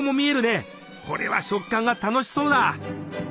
これは食感が楽しそうだ！